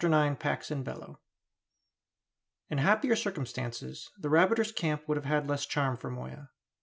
IX PAX IN BELLO In happier circumstances the rabbiter's camp would have had less charm for Moya.